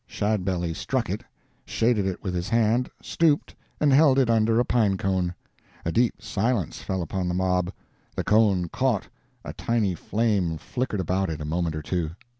Shadbelly struck it, shaded it with his hand, stooped, and held it under a pine cone. A deep silence fell upon the mob. The cone caught, a tiny flame flickered about it a moment or two.